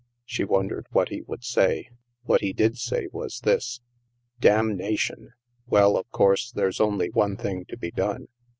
She wondered what he would say. What he did say, was this :" Damnation ! Well, of course, there's only one thing to be done.